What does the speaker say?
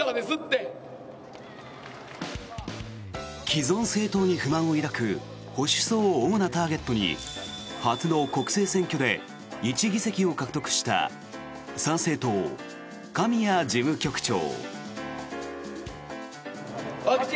既存政党に不満を抱く保守層を主なターゲットに初の国政選挙で１議席を獲得した参政党、神谷事務局長。